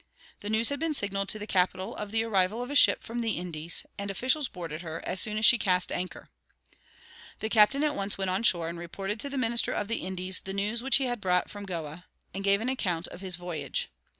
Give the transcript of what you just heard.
The news had been signaled to the capital of the arrival of a ship from the Indies, and officials boarded her, as soon as she cast anchor. The captain at once went on shore, and reported to the minister of the Indies the news which he had brought from Goa, and gave an account of his voyage.